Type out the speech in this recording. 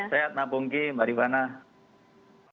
sehat mbak pungki mbak rifana